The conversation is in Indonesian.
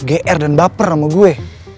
gr dan baper sama gue